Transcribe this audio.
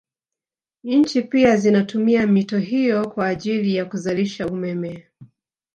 Nchi pia zinatumia mito hiyo kwa ajili ya kuzalisha umeme